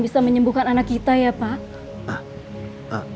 bisa menyembuhkan anak kita ya pak